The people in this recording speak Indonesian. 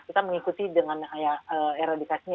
kita mengikuti dengan eradikasinya